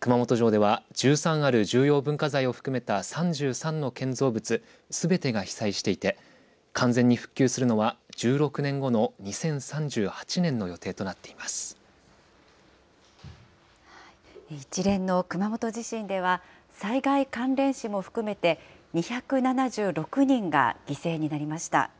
熊本城では１３ある重要文化財を含めた３３の建造物すべてが被災していて、完全に復旧するのは１６年後の２０３８年の予定となっ一連の熊本地震では、災害関連死も含めて、２７６人が犠牲になりました。